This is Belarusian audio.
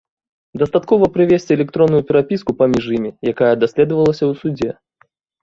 Дастаткова прывесці электронную перапіску паміж імі, якая даследавалася ў судзе.